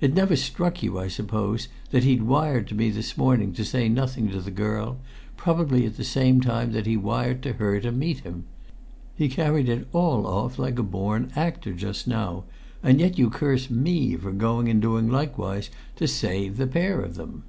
It never struck you, I suppose, that he'd wired to me this morning to say nothing to the girl, probably at the same time that he wired to her to meet him? He carried it all off like a born actor just now, and yet you curse me for going and doing likewise to save the pair of them!"